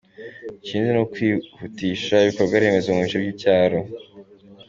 Ikindi ni ni ukwihutisha ibikorwaremezo mu bice by’icyaro.